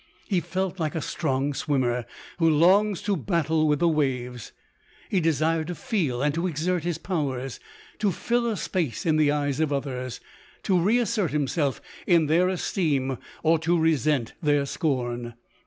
He felt like a strong swimmer, who loners to battle with the waves. He desired to feel and to exert his powers, to fill a space in the eyes of others, to re assert himself in their esteem, or to resent their scorn.